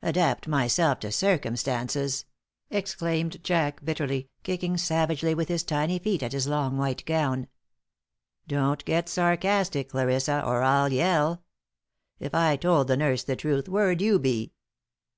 "Adapt myself to circumstances!" exclaimed Jack, bitterly, kicking savagely with his tiny feet at his long white gown. "Don't get sarcastic, Clarissa, or I'll yell. If I told the nurse the truth, where'd you be?"